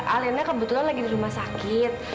alena kebetulan lagi di rumah sakit